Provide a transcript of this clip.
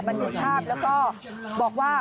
บันทึกภาพแล้วก็บอกว่า